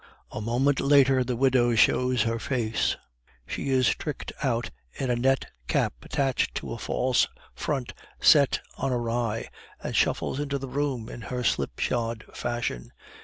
A moment later the widow shows her face; she is tricked out in a net cap attached to a false front set on awry, and shuffles into the room in her slipshod fashion.